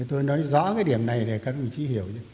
tôi nói rõ cái điểm này để các đồng chí hiểu